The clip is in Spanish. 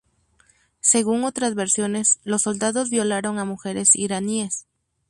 Según otras versiones, los soldados violaron a mujeres iraníes.